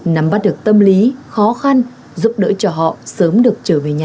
nắm bắt được tâm lý khó khăn giúp đỡ cho họ sớm được trở về nhà